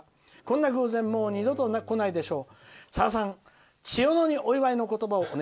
こんな偶然もう二度とこないでしょう。